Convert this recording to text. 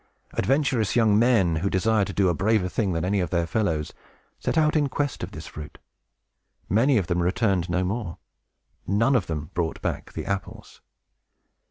Adventurous young men, who desired to do a braver thing than any of their fellows, set out in quest of this fruit. Many of them returned no more; none of them brought back the apples.